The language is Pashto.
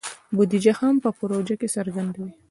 بودیجه هم په پروژه کې څرګنده وي.